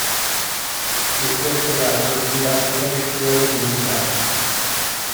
In questo caso in base a ciò che si vuole comunicare.